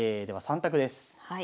では３択です。